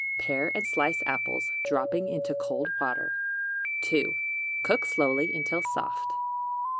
Pare and slice apples, dropping into cold water. 2. Cook slowly until soft.